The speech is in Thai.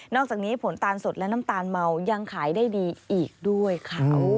อกจากนี้ผลตาลสดและน้ำตาลเมายังขายได้ดีอีกด้วยค่ะ